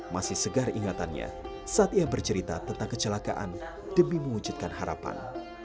masih segar ingatannya saat ia bercerita tentang kecelakaan demi mewujudkan harapan